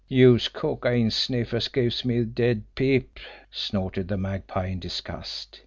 "Youse cocaine sniffers gives me de pip!" snorted the Magpie, in disgust.